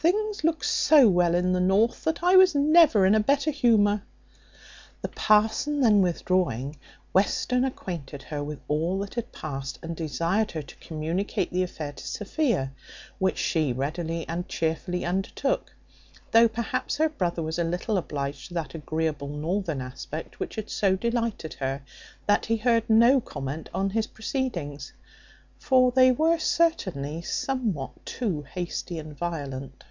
Things look so well in the north, that I was never in a better humour." The parson then withdrawing, Western acquainted her with all which had passed, and desired her to communicate the affair to Sophia, which she readily and chearfully undertook; though perhaps her brother was a little obliged to that agreeable northern aspect which had so delighted her, that he heard no comment on his proceedings; for they were certainly somewhat too hasty and violent.